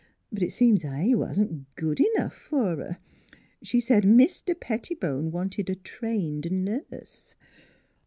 But it seems / wasn't good enough f'r her. She said Mis ter Pettibone wanted a trained nurse."